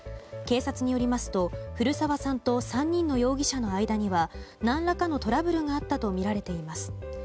警察によりますと古沢さんと３人の容疑者の間には何らかのトラブルがあったとみられています。